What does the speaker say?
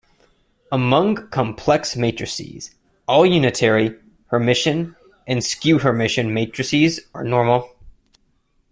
Among complex matrices, all unitary, Hermitian, and skew-Hermitian matrices are normal.